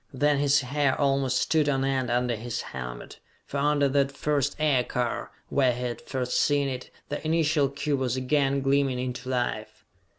Then his hair almost stood on end under his helmet, for under that first aircar, where he had first seen it, the initial cube was again gleaming into life!